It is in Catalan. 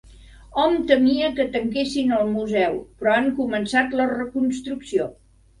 Hom temia que tanquessin el museu, però han començat la reconstrucció.